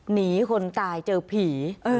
หนีคนตายเจอผี